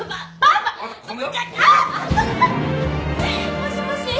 もしもし。